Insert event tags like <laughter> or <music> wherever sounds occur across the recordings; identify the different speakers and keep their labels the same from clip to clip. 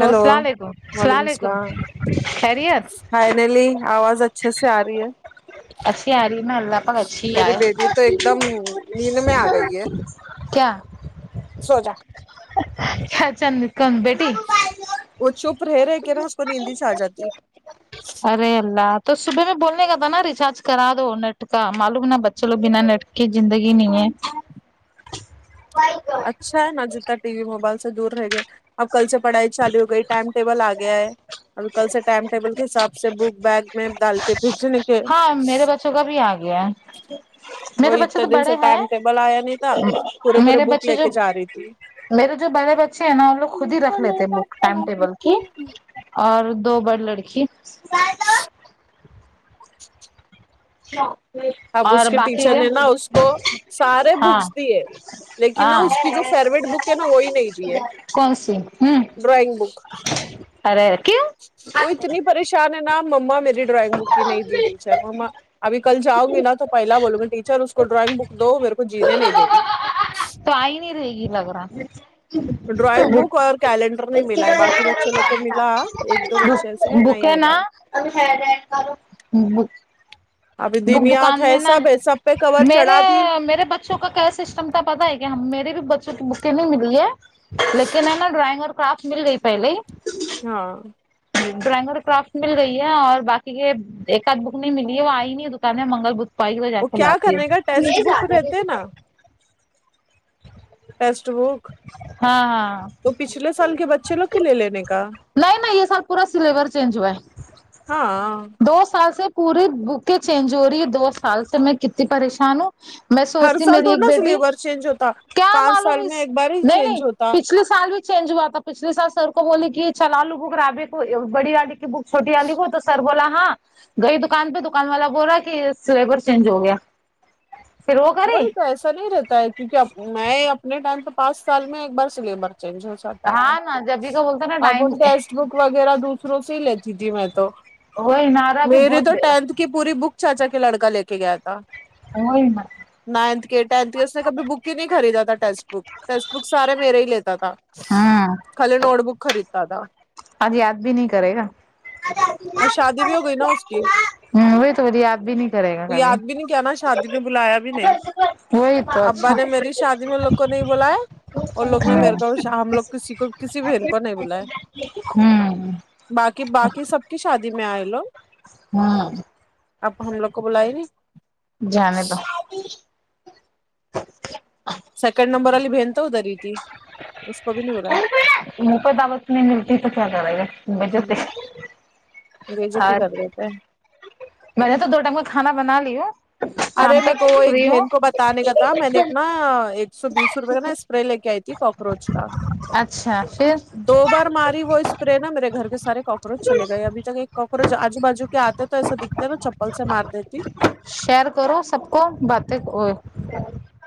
Speaker 1: hello
Speaker 2: السلام علیکم السلام
Speaker 1: وعلیکم
Speaker 2: علیکم
Speaker 1: سلام
Speaker 2: خیریت
Speaker 1: فائنلی اواز اچھے سے ارہی ہے
Speaker 2: اچھی آرہی نا اللہ پگ اچھی
Speaker 1: میری
Speaker 2: آے
Speaker 1: بیٹی تو ایک دم نیند میں آ گئی ہے
Speaker 2: کیا
Speaker 1: سو جا
Speaker 2: کیا چند دکن بیٹی
Speaker 1: وہ چپ رہ رہ کے نا اس کو نیندہی آ جاتی
Speaker 2: ارے اللہ تو صبح میں بولنے کا تھا نا ریچارج کرا دو نیٹ کا معلوم نا بچے لو بنا نٹ کہ زندگی نہیں ہے
Speaker 1: اچھا ہے نا جتنا ٹی وی موبائل سے دور رہ گیا اب کل سے پڑھائی چالی ہو گئی ٹائم ٹیبل آ گیا ہے اور کل سے ٹائم ٹیبل کے حساب سے بک بیگ میں ڈال کے رچنے کے
Speaker 2: ہاں میرے بچوں کا بھی آ گیا ہے
Speaker 1: وہ
Speaker 2: میرے بچے
Speaker 1: اتنے
Speaker 2: تو
Speaker 1: دن سے
Speaker 2: بڑے ہیں
Speaker 1: ٹائم ٹیبل ایا نہیں تھا پورے پورے
Speaker 2: میرے
Speaker 1: بک
Speaker 2: بچے
Speaker 1: لے
Speaker 2: جو
Speaker 1: کے جا رہی تھی
Speaker 2: میرے جو بڑے بچے ہیں نا وہ لوگ خود ہی رکھ لیتے بک ٹائم ٹیبل کی اور دو بڑ لڑکی اچھا
Speaker 1: اب اس کے ٹیچر نے نا اس کو سارے
Speaker 2: ہاں
Speaker 1: بکس دیے لیکن نا
Speaker 2: ہاں
Speaker 1: اس کی جو فیوریٹ بک ہے نا وہی نہیں دی ہے
Speaker 2: کون سی ہوں
Speaker 1: ڈرائنگ بک
Speaker 2: ارے کیوں
Speaker 1: وہ اتنی پریشان ہے نا مما میری ڈرائنگ بک ہی نہیں دی ٹیچر ما ابھی کل جاؤ گی نہا تو پہلا بولوں گی ٹیچر اس کو ڈرائنگ بک دو میرے کو جینے نہیں دے دیی
Speaker 2: تو آئی نہیں رہے گی لگ رہا
Speaker 1: ڈرائنگ بک اور کیلنڈر نہیں ملا ہے باقی بچوں لوگ کو ملا ایک دو بچے سے
Speaker 2: بوک
Speaker 1: نہیں
Speaker 2: ہے نا
Speaker 1: ملا
Speaker 2: <unintelligible>
Speaker 1: ابھی
Speaker 2: وہ
Speaker 1: دنیات
Speaker 2: دکان
Speaker 1: ہے
Speaker 2: میں نا
Speaker 1: سب ہے سب پہ کور
Speaker 2: میرے
Speaker 1: چڑھا دی
Speaker 2: میرے بچ شو کا کیا سسٹم تھا پتا ہے کہ ہم میرے بھی بچوں کو مکے میں ملی ہے لیکن ہے نا ڈرائنگ اور کرافٹ مل گئی پہلے
Speaker 1: ہاں
Speaker 2: ڈرائنگ اور کرافٹ مل گئی ہے اور باقی کے ایک آدھ بک نہیں ملی ہے وہ آئی نہیں دکان میں منگل بت پہ آئی ہے جا
Speaker 1: وہ
Speaker 2: کے
Speaker 1: کیا
Speaker 2: لاتے
Speaker 1: کرنے کا ٹیکسٹ بک
Speaker 2: ہے
Speaker 1: رہتے نا ٹیکسٹ بک
Speaker 2: ہاں ہاں
Speaker 1: تو پچھلے سال کے بچے لوگ کے لے لینے کا
Speaker 2: نہیں میں یہ سال پورا سلیبر چینج ہوا ہے
Speaker 1: ہاں
Speaker 2: دو سال سے پورے بوکے چینج ہو رہی ہے دو سال سے میں کتی پریشان ہوں میں
Speaker 1: ہر
Speaker 2: سوچتی
Speaker 1: سال
Speaker 2: میری
Speaker 1: تھوڑی
Speaker 2: ایک
Speaker 1: نا سی
Speaker 2: بیٹی
Speaker 1: لیبر چینج ہوتا
Speaker 2: کیا
Speaker 1: پانچ
Speaker 2: معلوم
Speaker 1: سال میں
Speaker 2: اس
Speaker 1: ایک بار ہی
Speaker 2: نہیں
Speaker 1: چینج
Speaker 2: نہیں
Speaker 1: ہوتا
Speaker 2: پچھلے سال بھی چینج ہوا تھا پچلھے سال سر کو بولے کہ یہ چلا لو بک رابے کو بڑی آڑی کی بک چھوٹی والی کو تو سر بولا ہاں گئی دکان پہ دکان والا بو رہا کہ سلیبر چینج ہو گیا پھر وہ کرے
Speaker 1: وہی تو ایسا نہیں رہتا ہے کیونکے میں اپنے ٹائم پہ پانچ سال میں ایک بار سلیبر چینج ہوسک ہوتاتھا
Speaker 2: ہاں نا جبھی کا بولتا نا ٹائم
Speaker 1: اپن ٹیسٹ بک وغیرہ دوسروں سے لیتی تھی میں تو
Speaker 2: وہ انارا بھی
Speaker 1: میری
Speaker 2: بہت
Speaker 1: تو
Speaker 2: بے
Speaker 1: ٹینتھ کے پوری بک چاچا کے لڑکا لے کے گیا تھا
Speaker 2: آںی ما
Speaker 1: نائنھ کے ٹینتھ کے اس نے کبھی بک ہی نہیں خریدا تھا ٹیکسٹ بک ٹیکسٹ بک سارے میرے ہی لیتا تھا
Speaker 2: ہاں
Speaker 1: خالی نوٹ بک خرید تا تھا
Speaker 2: اب یاد بھی نہیں کرے گا
Speaker 1: اور شادی بھی ہو گئی نا اس کی
Speaker 2: وہی تو مجھے یاد بھی نہیں کرے گا
Speaker 1: تو
Speaker 2: کبھی
Speaker 1: یاد بھی نہیں کیا نا شادی بلایا بھی نہیں
Speaker 2: وہی تو
Speaker 1: ابا
Speaker 2: اچھا
Speaker 1: نے
Speaker 2: ہوں
Speaker 1: میری شادی میں لوگ کو نہیں بلایا اور لوگ نے میرے کو شام لوگ کسی کو کسی بہن کو نہیں بلاائے
Speaker 2: امم
Speaker 1: باقی باقی سب کی شادی میں آئے لوگ
Speaker 2: ہوں
Speaker 1: آپ ہم لوگ کو بلائے نہیں
Speaker 2: جانے دو
Speaker 1: سیکنڈ نمبر والی بہن تو ادھر ہی تھی اس کو بھی نہیں ہو رہا ہے
Speaker 2: منہ پے دعوت نہیں ملتی تو کیا کرے گا میکے سے
Speaker 1: بلایا بےعزتی
Speaker 2: ہر
Speaker 1: کر دیتے ہے
Speaker 2: میں نے تو دو ٹائم کو کھانا بنا لیا
Speaker 1: ارے میکو وہی ایک بہن کو بتانے کا تھا میں نے ایک نا ایک سو بیس روپئے کا نا اس اسپرے لے کے آئی تھی کاکروچ کا
Speaker 2: اچھا پھر
Speaker 1: دو بار ماری وہ اسپرے نا میرے گھر کے سارے کاکروچ چل گئے ابھی تک ایک کاکروچ آجو باجو کے آتے تو ایسا دکھ دیکھو چپل سے مار دیتیوں
Speaker 2: شیئر کرو سب کو باتیں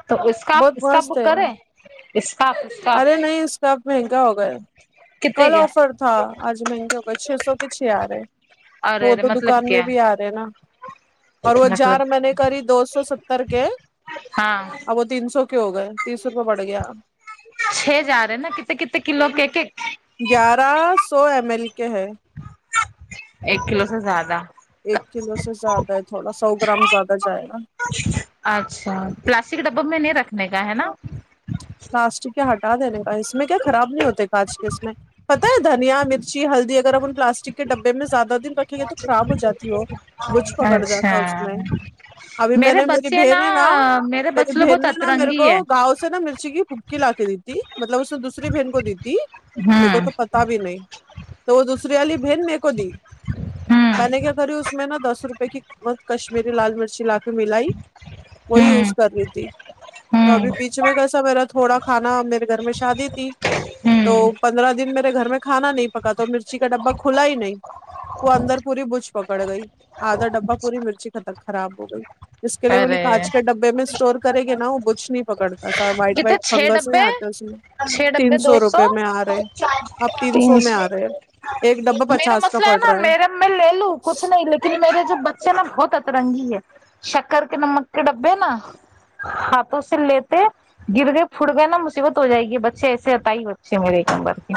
Speaker 2: تو اس کا
Speaker 1: بہت
Speaker 2: اس کا
Speaker 1: مست
Speaker 2: بک
Speaker 1: ہے
Speaker 2: کرے اس کاف
Speaker 1: ارے نہیں اس کا اب مہنگا ہوگیا ہے
Speaker 2: کتنے
Speaker 1: کل
Speaker 2: کے
Speaker 1: آفر تھا آج مہنگے ہو گئے چھ سو کے چھ آرے
Speaker 2: ارے
Speaker 1: وہ
Speaker 2: ارے
Speaker 1: تو
Speaker 2: مطلب
Speaker 1: دکان میں
Speaker 2: کیا
Speaker 1: بھی آ رے نا اور وہ جار
Speaker 2: مطلب
Speaker 1: میں نے کری دو سو ستر کے
Speaker 2: ہاں
Speaker 1: آوہ تو تین سو کے ہو گئے تیس روپئے بڑھ گیا
Speaker 2: چھ جا رہے نا کتے کتے کلو کہ ایک ایک
Speaker 1: گیارہ سو ایم ایل کے ہے
Speaker 2: ایک کلو سے زیادہ
Speaker 1: ایک کلو سے زیادہ ہے تھوڑا سو گرام زیادہ جائے گا
Speaker 2: اچھا پلاسٹک کے ڈبے میں نہیں رکھنے کا ہے نا
Speaker 1: پلاسٹک کیا ہٹا دینے کا اس میں کیا خراب نہیں ہوتے کاج کے اس میں پتہ ہے دھنیا مرچی ہلدی وغیرہ پلاسٹک کے ڈبے میں زیادہ دن رکھے گئے تو خراب ہو جاتی وہ بچھ پکڑ
Speaker 2: اچھا
Speaker 1: جاتا اس میں ابھی میں
Speaker 2: میرے
Speaker 1: نے میری
Speaker 2: بچے
Speaker 1: بہن ہے نا
Speaker 2: میرے
Speaker 1: میری
Speaker 2: بچلے
Speaker 1: بہن
Speaker 2: بہت
Speaker 1: نے نا میرے کو
Speaker 2: اترنگی ہے
Speaker 1: گاؤں سے نا میر مرچی کی بھبکی لا کے دی تھی مطلب اس نے دوسری بہن کو دی تھی میرے کو
Speaker 2: ہوں
Speaker 1: تو پتہ بھی نہیں تو وہ دوسری والی بہن میرے کو دی
Speaker 2: ہوں
Speaker 1: میں نے کیا کری اس میں نا دس روپے کیمت کشمیری لال مرچی لا کے ملائی وہی یوز
Speaker 2: ہوں
Speaker 1: کر رہی تھی تو
Speaker 2: ہوں
Speaker 1: ابھی بیچ میں کیسا میرا تھوڑا کھانا میرے گھر میں شادی تھی تو
Speaker 2: ہوں
Speaker 1: پندرہ دن میرے گھر میں کھانا نہیں پکا تو مرچی کا ڈبا کھلا ہی نہیں وہ اندر پوری بجھ پکڑ گئی آدھا ڈبہ پوری مرچی خراب ہو گئی جس کے لیے وہ
Speaker 2: ارے
Speaker 1: لکھانچ کے ڈبے میں اسٹور کرے گے نا وہ بچھ نہیں پکڑتا وائٹ
Speaker 2: کتنے
Speaker 1: وائٹ
Speaker 2: چھ
Speaker 1: فنگس نہیں
Speaker 2: ڈبے
Speaker 1: اتا اس کو
Speaker 2: چھ ڈبے دو سو
Speaker 1: اب
Speaker 2: تین
Speaker 1: میں
Speaker 2: سو
Speaker 1: آ رہے ایک ڈبہ
Speaker 2: میرا
Speaker 1: پچاس
Speaker 2: مس
Speaker 1: کا پڑ
Speaker 2: سلیمہ
Speaker 1: رہا ہے
Speaker 2: میرم میں لے لوں کچھ نہیں پھر میرے جو بچے نا بہت اترنگی ہے شکر کے نمک کے ڈبے نا ہاتھوں سے لیتے گر گئے پٹ گئے نا مصیبت ہو جائے گی بچے ایسے آتائی بچے میرے ایک نمبر کے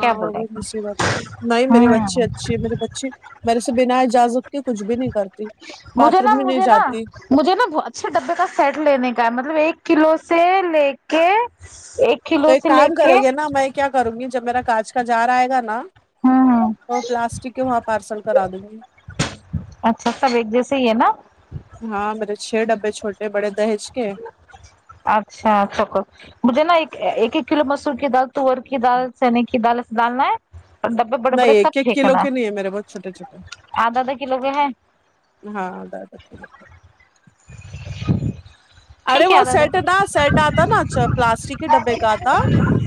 Speaker 2: کیا بول
Speaker 1: وہ
Speaker 2: رہے
Speaker 1: بھی
Speaker 2: ہیں
Speaker 1: مصیبت ہے نہیں میری بچی
Speaker 2: ہوں
Speaker 1: اچھی ہے میری بچی میرے سے بنا اجازت کے کچھ بھی نہیں کرتی باتھ
Speaker 2: مجھے نا
Speaker 1: روم میں نہیں
Speaker 2: مجھے نا
Speaker 1: جاتی
Speaker 2: مجھے نا اچھے ڈبے کا سیٹ لینے کا ہے مطلب ایک کلو سے لے کے ایک
Speaker 1: تو
Speaker 2: کلو
Speaker 1: ایک
Speaker 2: سے لے
Speaker 1: کام
Speaker 2: کے
Speaker 1: کرے گے نا میں کیا کروں گی جب میرا کاج کا جار آئے گا نا
Speaker 2: ہوں ہوں
Speaker 1: اور پلاسٹک کے وہاں پارسل کرا دوں گی
Speaker 2: اچھا سب ایک جیسے ہی ہے نا
Speaker 1: ہاں میرے چھ ڈبے چھوٹے بڑے دہج کے ہے
Speaker 2: اچھا تو کو مجھے نا ایک ایک ایک کلو مسور کی دال تور کی دال چنے کی دال ایے ڈالنا ہے اور ڈبے بڑے
Speaker 1: نہیں
Speaker 2: بڑے سب
Speaker 1: ایک ایک کلو
Speaker 2: پھینکنا
Speaker 1: کے نہیں ہے میرے بہت چھوٹے چھوٹے
Speaker 2: آدھا آدھا کلو کے ہیں
Speaker 1: ہاں ادھا ادھا کلو ارے
Speaker 2: ٹھیک ہے
Speaker 1: وہ
Speaker 2: آدھا آدھا
Speaker 1: سیٹ
Speaker 2: کے
Speaker 1: نا سیٹ اتا نا اچھا پلاسٹک کے ڈبے کا اتا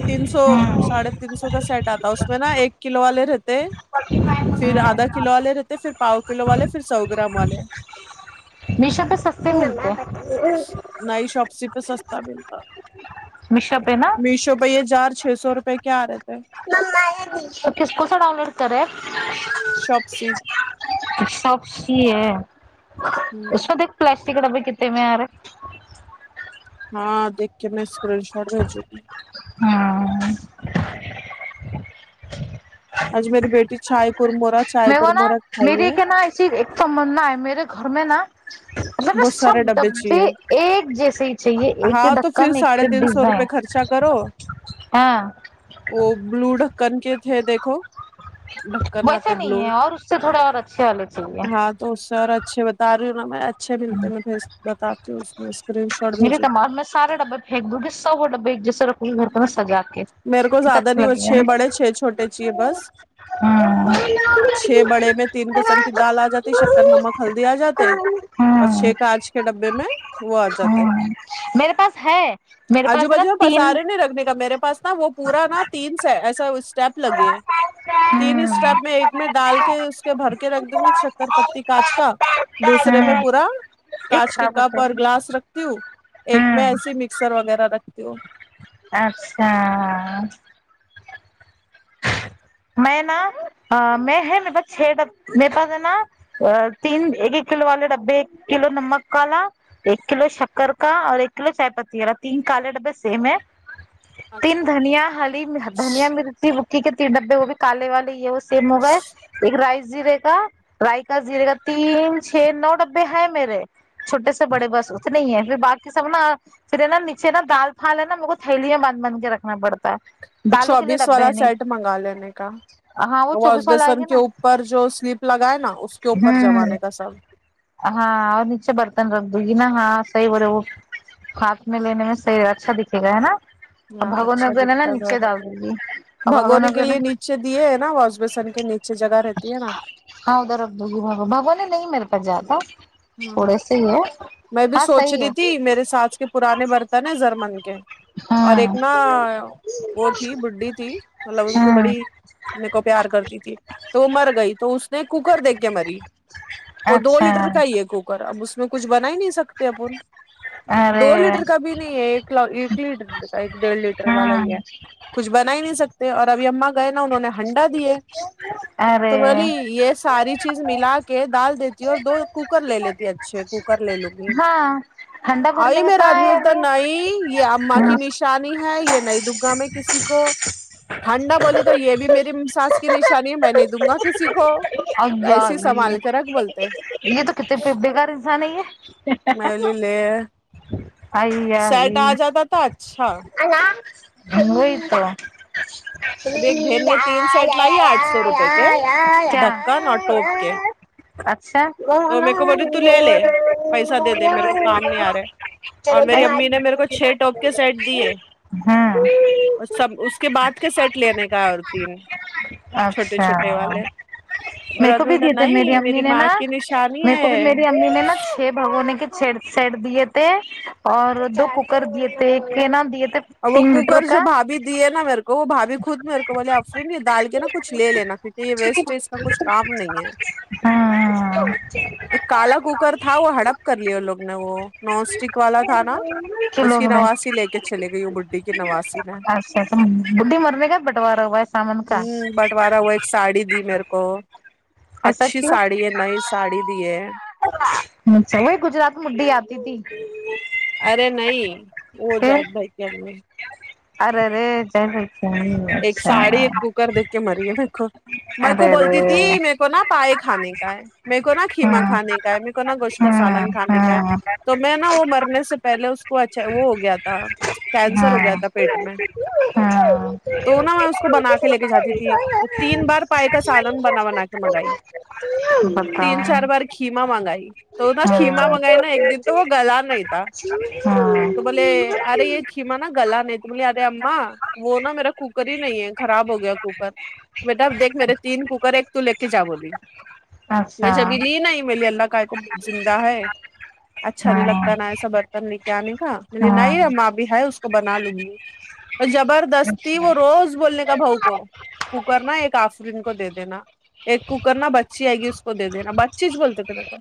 Speaker 1: تین سو
Speaker 2: ہوں
Speaker 1: ساڑھے تین سو کا سیٹ آتا اس میں نا ایک کلو والے رہتے
Speaker 2: فورتے فائیو
Speaker 1: پھر ادھا کلو والے رہتے پھر پاؤ کلو والے پھر سو گرام والے
Speaker 2: میشو پہ سستے ملتے
Speaker 1: نہیں شاپس کی پہ سستا ملتا
Speaker 2: میشو پے نا
Speaker 1: میشو پہ یہ جار چھ سو روپے کے آ رہے تھے
Speaker 2: توہ کس کوو سا ڈان لوڈ کرر
Speaker 1: شب سے
Speaker 2: سبچی ہے اس کو دیکھ پلاسٹک کے ڈبے کتے میں آار
Speaker 1: ہاں دیک کے میں اسکرین شاٹ بھیجوں گی
Speaker 2: ہاں
Speaker 1: آج میری بیٹی چائے قورمورا چائے قورمورہ کھائی ہے
Speaker 2: صرف ایک تمنا ہے میرے گھر میں نہ مطلب
Speaker 1: بہت
Speaker 2: سب
Speaker 1: سارے
Speaker 2: ڈبے
Speaker 1: چاہیے
Speaker 2: ایک جیسے ہی چاہیے ایک ہی
Speaker 1: ہاں تو
Speaker 2: ڈھکا میں ایک
Speaker 1: ساڑھے
Speaker 2: پھر
Speaker 1: تین سو
Speaker 2: ڈیزائن
Speaker 1: روپے خرچہ کرو
Speaker 2: ہاں
Speaker 1: وہ بلو ڈھکن کے تھے دیکھو ڈھکن
Speaker 2: ویسے
Speaker 1: آتے
Speaker 2: نہیں
Speaker 1: بلو
Speaker 2: ہے اور اس سے تھوڑے اور اچھے والے چاہیے
Speaker 1: ہاں تو سر اچھے بتا رہی ہوں نا میں اچھے ملتے میں بھیج بتاتی ہوں اس اسکرین شاٹ
Speaker 2: میرے
Speaker 1: بھیجوں گی
Speaker 2: دماغ میں سارے ڈبے پھینک دو گے سب ڈبے ایک جسے رکھو گھر میں سجا کے
Speaker 1: میرے کو
Speaker 2: کتنا
Speaker 1: زیادہ
Speaker 2: اچھا
Speaker 1: نہیں وہ
Speaker 2: لگے
Speaker 1: چھ بڑے چھے چھوٹے چاہیے بس
Speaker 2: ہاں
Speaker 1: چھ بڑے میں تین قسم کی دال اجاتی شکر نمک ہلدی اجاتے اور چھ
Speaker 2: ہوں
Speaker 1: کانچ کے ڈبے میں وہ آ جاتے
Speaker 2: ہوں، میرے پاس ہے میرے
Speaker 1: آجو
Speaker 2: پاس ہے نا
Speaker 1: باجو میں
Speaker 2: تین
Speaker 1: پسارے نہیں رکھنے کا میرے پاس نا وہ پورا نا تین سے ایسا اسٹیپ لگے تین
Speaker 2: ہوں
Speaker 1: اسٹیپ میں ایک میں ڈال کے اس کے بھر کے رکھ دوں گی چکر پتی کاانچ کا دوسرے میں پورا
Speaker 2: یہ
Speaker 1: کاانچ کے
Speaker 2: خراب
Speaker 1: کپ
Speaker 2: ہوتا
Speaker 1: اور
Speaker 2: ہے
Speaker 1: گلاس رکھتی ہوں ایک میں
Speaker 2: ہوں
Speaker 1: ایسی مکسر وغیرہ رکھتی ہوں
Speaker 2: اچھا میں نا میں ہے میرے پاس چھ ڈ میرے پاس ہے نا تین ایک ایک کلو والے ڈبے ایک کلو نمک کالا ایک کلو شکر کا اور ایک کلو چائے پتی والا تین کالے ڈبے سیم ہے تین دھنیا ہلی دھنیا مرتی مکھی کے تین ڈبے وہ بھی کالے والی یہ سیم ہو گئے ایک رائس زیرے کا رائ کا زیرے کا تین چھ نو ڈبے ہیں میرے چھوٹے سے بڑے بس اتنے ہی ہیں پھر باقی سب نا پھر ہے نا نیچے نا دال پھال ہے نا میرے کو تھیلیاں میں بند بند کے رکھنا پڑتا طاہر داروں کے لیے
Speaker 1: چوبیس
Speaker 2: ڈبے
Speaker 1: والا
Speaker 2: نہیں
Speaker 1: سیٹ منگا لیےنے کہ
Speaker 2: ہاں وہ
Speaker 1: واش
Speaker 2: چوبیس والا آئے
Speaker 1: بیسن
Speaker 2: گا
Speaker 1: کے
Speaker 2: نا
Speaker 1: اوپر جو سلپ لگائے نا اس کے اوپر
Speaker 2: ہوں
Speaker 1: جمانے کا سب
Speaker 2: ہاں اور نچے برتن رگ دو گن ہاں سئی بولا وہ ہاتھ میں لینے میں شریر اچھا دکھے گا ہے نا اور
Speaker 1: ہاں
Speaker 2: بھگون میں
Speaker 1: اچھا
Speaker 2: دنےا نا
Speaker 1: دکھتا
Speaker 2: نیچے
Speaker 1: گھر
Speaker 2: داگوں گی اور بھگونا
Speaker 1: بھگونے کے
Speaker 2: کو نا
Speaker 1: لیے نیچے دیے ہے نا واس بیسن کے نیچے جگہ رہتی ہے نا
Speaker 2: ہاں ادھر ابدگی بھگو نے نہیں میرے پاس جاتا تھوڑے سے ہی ہے
Speaker 1: میں بھی
Speaker 2: ہاں
Speaker 1: سوچ
Speaker 2: صحیح
Speaker 1: رہی
Speaker 2: ہے
Speaker 1: تھی میرے ساس کے پرانے برتن ہیں زرمن کے اور
Speaker 2: ہاں
Speaker 1: ایک نا وہ تھی بڈھی تھی مطلب ان کو
Speaker 2: ہاں
Speaker 1: بڑی منے کو پیار کرتی تھی تو وہ مر گئی تو اس نے کوکر دے کے مری وہ دو
Speaker 2: اچھا
Speaker 1: لیٹر کا ہی کوکر اب اس میں کچھ بنا ہی نہیں سکتے اپ دو
Speaker 2: ارے
Speaker 1: لیٹر کا بھی نہیں ہے ایک ایک لیٹر ایک ڈیڑھ لیٹر والا
Speaker 2: ہاں
Speaker 1: ہی ہے کچھ بنا ہی نہیں سکتے اور ابھی ہم گئے نا انہوں نے ہنڈا دیے
Speaker 2: ارے
Speaker 1: تو بولی یہ ساری چیز ملا کے کہ دال دیتی اور دو کوکر لے لیتی اچھے کوکر لے لوں گی
Speaker 2: ہاں ٹھنڈا
Speaker 1: آئی
Speaker 2: بھرنے کا
Speaker 1: نہ رات
Speaker 2: کہاں
Speaker 1: میں اتر تو
Speaker 2: ہے
Speaker 1: نہیں یہ اما کی نشانی ہے یہ نہیں دونگا میں کسی کو ہانڈا بولی تو یہ بھی میری ساس کی نشانی ہے میں نہیں دوں گا کسی کو
Speaker 2: ابھی ایا
Speaker 1: ایسی
Speaker 2: یہ
Speaker 1: سنبھال کر رکھ بولتے
Speaker 2: یہ تو کتنے پپڑے بیکار انسان ہے یہ
Speaker 1: پھر سیٹ آ جاتا تھا اچھا
Speaker 2: ہم نہیں پڑا ای
Speaker 1: اب ایک بہن نے تین
Speaker 2: یہ
Speaker 1: سیٹ لائی آٹھ
Speaker 2: یہ
Speaker 1: سو روپے کے
Speaker 2: یہ
Speaker 1: ڈھکن
Speaker 2: یہ
Speaker 1: اور ٹوپ کے
Speaker 2: یہ یہ
Speaker 1: تو میرے کو
Speaker 2: یہ
Speaker 1: بولی تو لے لے
Speaker 2: کیا
Speaker 1: پیسہ دے دے
Speaker 2: یہ
Speaker 1: میرے کو کام نہیں آ
Speaker 2: اچھا
Speaker 1: رہے اور
Speaker 2: <unintelligible>
Speaker 1: میری امی نے میرے کو
Speaker 2: چلو
Speaker 1: چھ ٹوپ کے سیٹ
Speaker 2: <inaudible>
Speaker 1: دیے اور سب اس کے بعد کے سیٹ لینے کا ہے اور تین چھوٹے
Speaker 2: اچھا
Speaker 1: چھوٹے والے اور
Speaker 2: میر کو بھی دیے تھ میری
Speaker 1: نہیں
Speaker 2: امی نے
Speaker 1: ماں
Speaker 2: نا
Speaker 1: کی نشانی
Speaker 2: میرے کو بھی
Speaker 1: ہے
Speaker 2: میری امی نے نا چھ بھگونے کے چھ سیٹ دیے تھے اور دو کوکر دیے تھے کینا دیے تھے
Speaker 1: اور وہ
Speaker 2: تین لیٹر
Speaker 1: کوکر جو
Speaker 2: کا
Speaker 1: بھابی دیے نا میرے کو وہ بھابی خود میرے کو بولے افری یہ ڈال کے نا کچھے لے لینا پ یہ ویسٹ کا کچھ کام نہیں ہے
Speaker 2: ہاں
Speaker 1: ایک کالا کوکر تھا وہ ہڑپ کر لیے ان لوگ نے وہ نان اسٹک والا تھا نا
Speaker 2: کے
Speaker 1: اس
Speaker 2: لوگ
Speaker 1: کی
Speaker 2: میں
Speaker 1: نواسی لے کے چل گئی وہ بڈی نواسی میں
Speaker 2: اچھا تو بڈھی مرنے کا بٹوارا ہوا ہے سامان کا
Speaker 1: ہوں بٹوارہ وہ ایک ساڑی دی میرے کو کو
Speaker 2: ایسا
Speaker 1: اچھی
Speaker 2: کیوں
Speaker 1: ساڑی ہے نئی ساڑی دی ہے
Speaker 2: اچھا وہی گجرات مڈی آتی تھی
Speaker 1: ارے نہیں وہ
Speaker 2: پھر
Speaker 1: جات بھائی کے ہم میں
Speaker 2: ارے رے <unintelligible> صحیح
Speaker 1: ایک ساڑی ایک کوکر دیکھ کے مری ہے دیکھو میں کو
Speaker 2: ارے
Speaker 1: بولتی تھی
Speaker 2: ارے
Speaker 1: میر کو نا پائے کھانے کا ہے میں کو نا کھیما
Speaker 2: ہاں
Speaker 1: کھانے کا ہے میرے کو نا گوشت کا
Speaker 2: ہاں
Speaker 1: سالن کھانے کا ہے
Speaker 2: ہاں
Speaker 1: تو میں نا وہ مرنے سے پہلے اس کو اچھا وہ ہو گیا تھا کینسر
Speaker 2: ہاں
Speaker 1: ہو گیا تھا پیٹ میں
Speaker 2: ہاں
Speaker 1: تو نہا میں اس کو بنا کے لے کے جاتی تھی تو تین بار پائے کا سالن بنا بنا کے منگائی تین
Speaker 2: بتاؤ
Speaker 1: چار بار کھیما منگائی تو تھا کما منگائی نا ایک دن تو وہ گلا نہیں تھا تو بولے
Speaker 2: ہاں
Speaker 1: ارے یہ کھیما نا گلا نہیں تم لے ارے اما وہ نا میرا کوکر ہی نہیں ہے خراب ہو گیا کوکر بیٹادیکھ دیک میرے تین کوکر ایک تو لے کے جا بولی میں
Speaker 2: اچھا
Speaker 1: جبھی لی ن ہی می لیے اللہ کا کو زندہ ہے اچھا نہیں
Speaker 2: ہاں
Speaker 1: لگتا نا ایسا برتن لے کے آنے کا
Speaker 2: ہاں
Speaker 1: نہیں ابھی کو بنا لوں گی تو زبردست تھی
Speaker 2: اچھا
Speaker 1: وہ روز بولنے کا بؤ کو کوکرنا ایک آفرین کو دے دینا ایک کوکر نا بچی آئے گی اس کو دے دینا بچی یچ بولتے تھے میرے کو